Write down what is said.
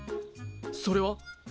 それは？